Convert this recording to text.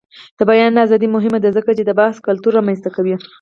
د بیان ازادي مهمه ده ځکه چې د بحث کلتور رامنځته کوي.